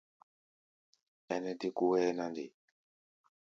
Ɛnɛ dé kó hʼɛ́ɛ́ na nde?